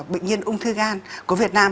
bệnh nhân ung thư gan của việt nam